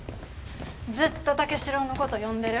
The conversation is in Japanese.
ずっと武四郎のこと呼んでる。